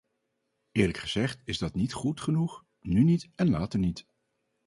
Eerlijk gezegd is dat niet goed genoeg, nu niet en later niet.